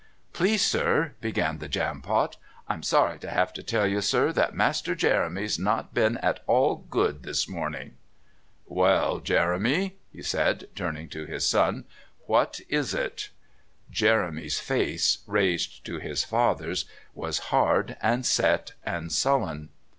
"Please, sir," began the Jampot, "I'm sorry to 'ave to tell you, sir, that Master Jeremy's not been at all good this morning." "Well, Jeremy," he said, turning to his son, "what is it?" Jeremy's face, raised to his father's, was hard and set and sullen.